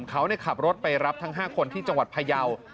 เขาขับรถไปรับทั้ง๕คนที่จังหวัดพยาว